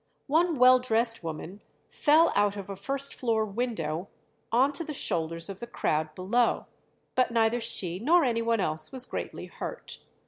One well dressed woman fell out of a first floor window on to the shoulders of the crowd below, but neither she nor any one else was greatly hurt.